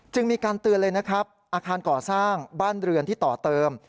มีการเตือนเลยนะครับอาคารก่อสร้างบ้านเรือนที่ต่อเติม